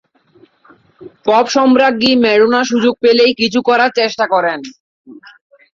Pop সম্রাজ্ঞী Madonna সুযোগ পেলেই কিছু করার চেষ্টা করেন।